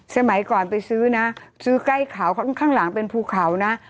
สมัยก่อนไปซื้อนะซื้อใกล้เขาข้างหลังเป็นภูเขานะ